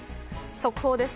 速報です。